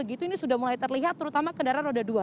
ini sudah mulai terlihat terutama kendaraan roda dua